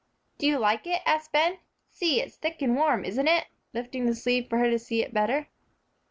"Do you like it?" asked Ben. "See, it's thick and warm, isn't it?" lifting the sleeve for her to see it the better.